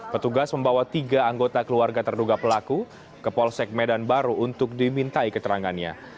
petugas membawa tiga anggota keluarga terduga pelaku ke polsek medan baru untuk dimintai keterangannya